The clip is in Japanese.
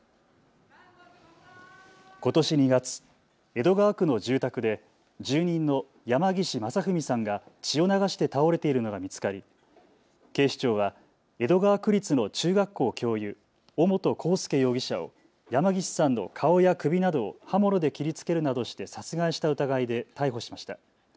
ことし２月、江戸川区の住宅で住人の山岸正文さんが血を流して倒れているのが見つかり警視庁は江戸川区立の中学校教諭、尾本幸祐容疑者を山岸さんの顔や首などを刃物で切りつけるなどして殺害した疑いで逮捕しました。